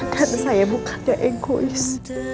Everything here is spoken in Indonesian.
dan saya bukannya egois